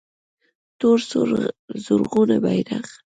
تور سور زرغون بیرغ